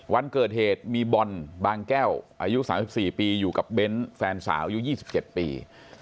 วันเกิดเหตุมีบอลบางแก้วอายุ๓๔ปีอยู่กับเบ้นแฟนสาวอายุ๒๗ปี